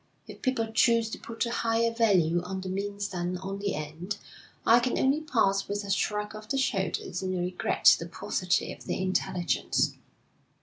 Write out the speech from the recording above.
If people choose to put a higher value on the means than on the end, I can only pass with a shrug of the shoulders, and regret the paucity of their intelligence.'